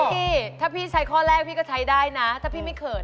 พี่ถ้าพี่ใช้ข้อแรกพี่ก็ใช้ได้นะถ้าพี่ไม่เขิน